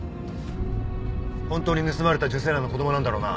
本当に盗まれた受精卵の子供なんだろうな？